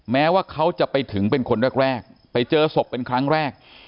แม้ว่าเขาจะไปถึงเป็นคนแรกไปเจอศพเป็นครั้งแรก